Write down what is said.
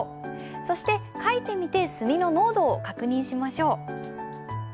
そして書いてみて墨の濃度を確認しましょう。